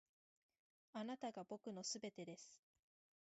あなたが僕の全てです．